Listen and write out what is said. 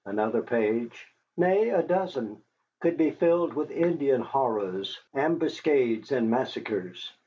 Another page nay, a dozen could be filled with Indian horrors, ambuscades and massacres.